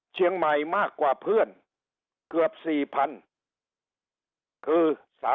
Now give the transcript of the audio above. เชียงใหม่มากกว่าเพื่อนเกือบ๔๐๐๐คือ